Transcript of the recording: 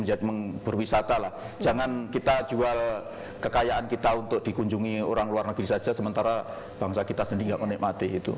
jangan kita jual kekayaan kita untuk dikunjungi orang luar negeri saja sementara bangsa kita sendiri tidak menikmati itu